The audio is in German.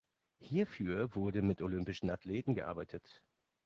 Hierfür wurde mit Olympischen Athleten gearbeitet.